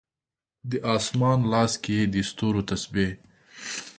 د اسمان لاس کې یې د ستورو تسبې